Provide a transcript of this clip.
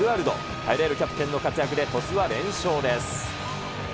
頼れるキャプテンの活躍で鳥栖は連勝です。